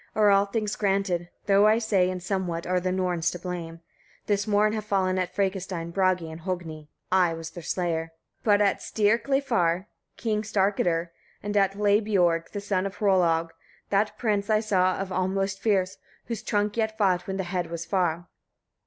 are all things granted, though, I say, in somewhat are the Norns to blame. This morn have fallen at Frekastein Bragi and Hogni: I was their slayer. 25. But at Styrkleifar King Starkadr, and at Hlebiorg the son of Hrollaug. That prince I saw of all most fierce, whose trunk yet fought when the head was far.